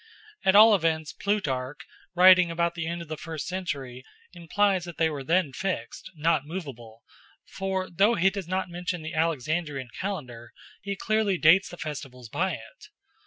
At all events Plutarch, writing about the end of the first century, implies that they were then fixed, not movable; for though he does not mention the Alexandrian calendar, he clearly dates the festivals by it.